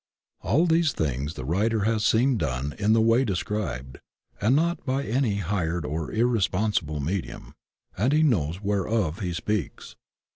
All these things the writer has seen done in the way de IMAGINATION IS ALL POWERFUL 139 scribed, and not by any hired or irresponsible medium, and he knows whereof he speaks.